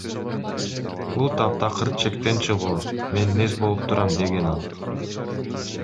Бул таптакыр чектен чыгуу, мен нес болуп турам, — деген ал.